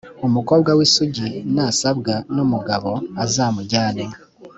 umukobwa w’isugi nasabwa n’umugabo azamujyane,